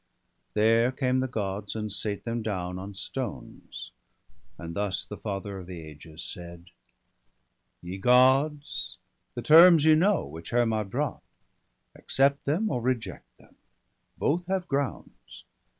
There came the Gods, and sate them down on stones ; And thus the Father of the ages said :— 'Ye Gods, the terms ye know, which Hermod; brought. Accept them or reject them ! both have grounds.